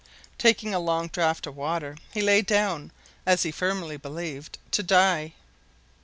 Taking a long draught of water, he lay down, as he firmly believed, to die.